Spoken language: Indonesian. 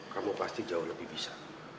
kamu pasti jauh lebih bisa